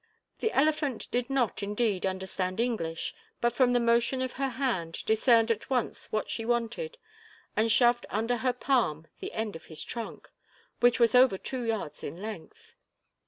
The elephant did not, indeed, understand English, but from the motion of her hand discerned at once what she wanted and shoved under her palm the end of his trunk, which was over two yards in length.